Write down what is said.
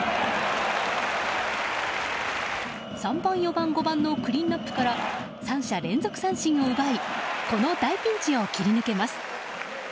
３番、４番、５番のクリーンアップから３者連続三振を奪いこの大ピンチを切り抜けます。